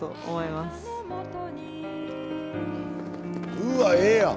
うわええやん。